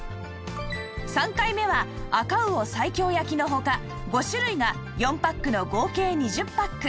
３回目は赤魚西京焼の他５種類が４パックの合計２０パック